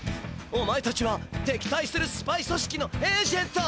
お前たちはてきたいするスパイそしきのエージェント」。